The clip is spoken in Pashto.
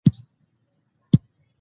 له بويه ټېکه نه کېده.